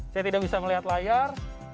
saya tidak bisa melihat layar